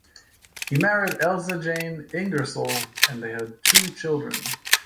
He married Elsie Jane Ingersol and they had two children.